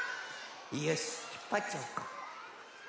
よしひっぱっちゃおうか。